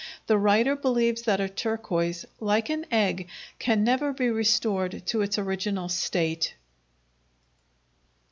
The writer believes that a turquoise, like an egg, can never be restored to its original state.